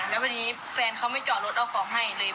แล้วพอดีแฟนเขาไม่จอดรถเอาของให้เลย